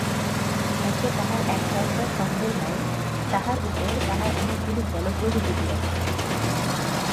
একে তাহার এক পয়সার সম্বল নাই, তাহার উপর তাহার অনেকগুলি গলগ্রহ জুটিয়াছে।